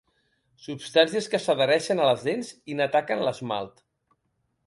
Substàncies que s'adhereixen a les dents i n'ataquen l'esmalt.